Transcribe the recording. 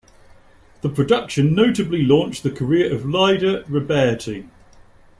The production notably launched the career of Lyda Roberti.